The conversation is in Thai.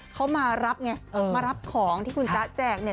เขามารับไงมารับของที่คุณจ๊ะแจกเนี่ย